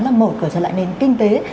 là mở cửa trở lại nền kinh tế